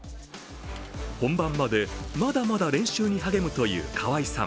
本番までまだまだ練習に励むという川井さん。